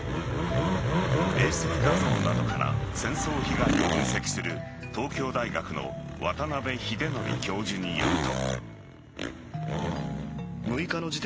衛星画像などから戦争被害を分析する東京大学の渡邉英徳教授によると。